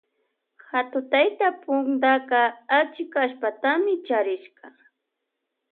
Hatu tayta puntaka achika allpata charishka.